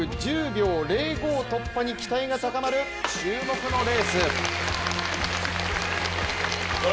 １０秒０５突破に期待が高まる注目のレース。